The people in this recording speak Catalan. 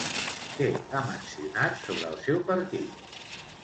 Què ha mencionat sobre el seu partit?